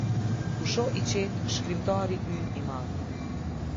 Pusho i qetë shkrimtari ynë i madh.